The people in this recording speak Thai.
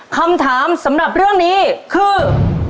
คำถามสำหรับเรื่องนี้คือ